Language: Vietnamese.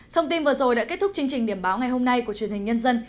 thông tin vừa rồi đã kết thúc chương trình điểm báo ngày hôm nay của truyền hình nhân dân